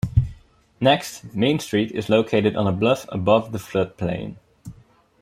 Next, Main Street is located on a bluff above the floodplain.